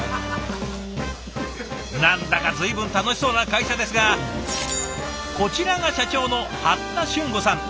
何だか随分楽しそうな会社ですがこちらが社長の八田俊吾さん。